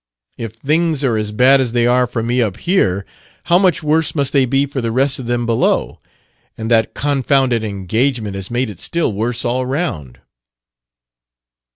If things are as bad as they are for me up here, how much worse must they be for the rest of them below! And that confounded engagement has made it still worse all round!"